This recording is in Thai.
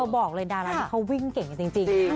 บอกเลยดาราที่เขาวิ่งเก่งจริง